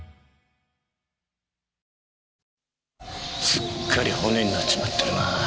すっかり骨になっちまってるな。